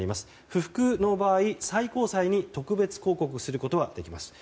不服の場合、最高裁に特別抗告することができます。